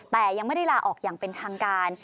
แต่ยังไม่ได้ลาออกอย่างเป็นทางการ